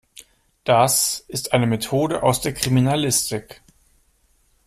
Das ist eine Methode aus der Kriminalistik.